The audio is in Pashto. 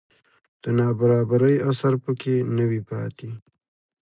د نابرابرۍ اثر په کې نه وي پاتې